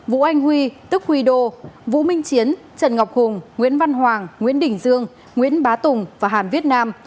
vũ anh huy tức huy đô vũ minh chiến trần ngọc hùng nguyễn văn hoàng nguyễn đình dương nguyễn bá tùng và hàn viết nam